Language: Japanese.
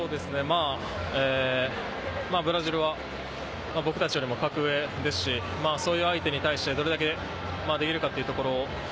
ブラジルは僕たちよりも格上ですし、そういう相手に対してどれだけできるかっていうところ。